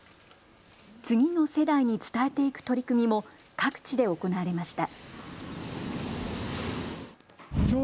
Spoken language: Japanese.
次の世代に伝えていく取り組みも各地で行われました。